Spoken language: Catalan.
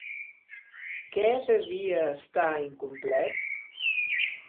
Què devia estar incomplet?